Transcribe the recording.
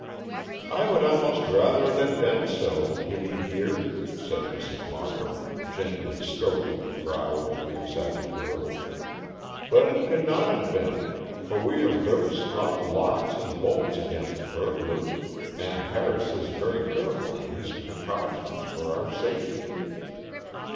"I would almost rather it had been so, Kitty dear," said Mrs. Markham, gently stroking the brow of the excited girl; "but it could not have been, for we have very strong locks and bolts against burglars, and Harris is very careful in his precautions for our safety."